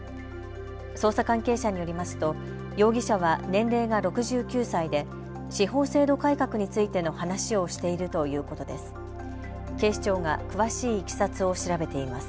捜査関係者によりますと容疑者は年齢が６９歳で司法制度改革についての話をしているということです。